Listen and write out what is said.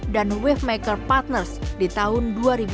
dan wavemaker partners di tahun dua ribu dua puluh dua